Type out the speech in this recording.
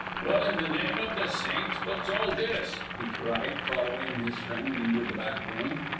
"Well, in the name of the saints, what's all this?" he cried, following his friend into the back room.